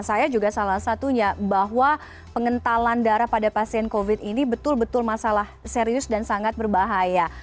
saya juga salah satunya bahwa pengentalan darah pada pasien covid ini betul betul masalah serius dan sangat berbahaya